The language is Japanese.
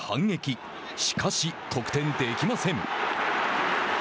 しかし、得点できません。